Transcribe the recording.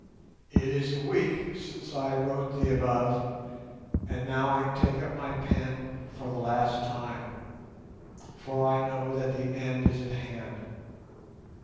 It is a week since I wrote the above, and now I take up my pen for the last time, for I know that the end is at hand.